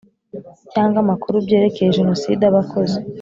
Cyangwa amakuru byerekeye jenoside aba akoze